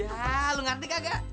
ya lu ngerti kagak